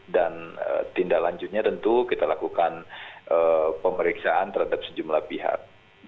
dan tindak lanjutnya tentu kita lakukan pemeriksaan terhadap sejumlah pihak